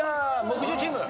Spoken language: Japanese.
木１０チーム。